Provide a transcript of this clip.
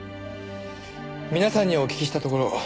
皆さんにお聞きしたところ。